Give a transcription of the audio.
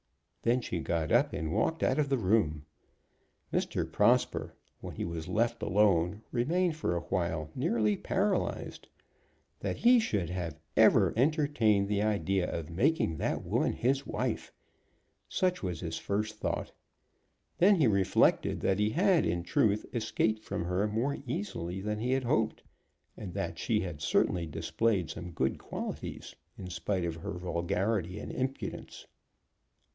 Then she got up and walked out of the room. Mr. Prosper, when he was left alone, remained for a while nearly paralyzed. That he should have ever entertained the idea of making that woman his wife! Such was his first thought. Then he reflected that he had, in truth, escaped from her more easily than he had hoped, and that she had certainly displayed some good qualities in spite of her vulgarity and impudence.